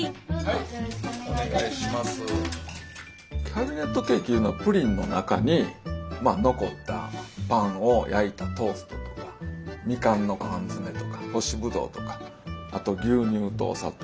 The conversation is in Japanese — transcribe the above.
キャビネットケーキいうのはプリンの中に残ったパンを焼いたトーストとかみかんの缶詰とか干しブドウとかあと牛乳とお砂糖。